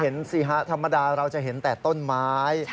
สิฮะธรรมดาเราจะเห็นแต่ต้นไม้